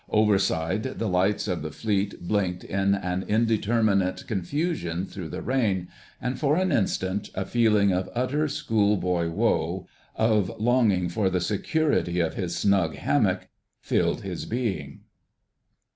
Overside the lights of the Fleet blinked in an indeterminate confusion through the rain, and for an instant a feeling of utter schoolboy woe, of longing for the security of his snug hammock, filled his being.